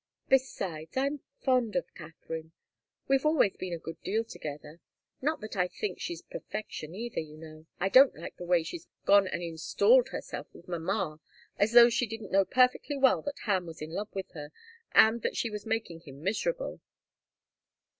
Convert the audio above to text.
Besides I'm fond of Katharine. We've always been a good deal together. Not that I think she's perfection either, you know. I don't like the way she's gone and installed herself with mamma, as though she didn't know perfectly well that Ham was in love with her, and that she was making him miserable."